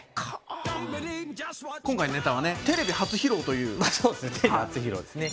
あ今回のネタはねテレビ初披露というそうですね